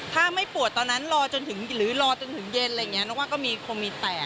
ถ้าไม่ปวดตอนนั้นรอจนถึงเย็น